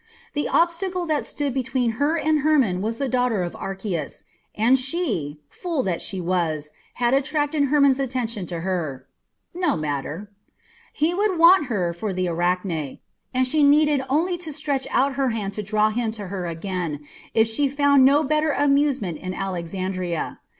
The obstacle that stood between her and Hermon was the daughter of Archias, and she, fool that she was, had attracted Hermon's attention to her. No matter! He would want her for the Arachne, and she needed only to stretch out her hand to draw him to her again if she found no better amusement in Alexandria.